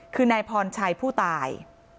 คือนายพรชัยผู้ตาย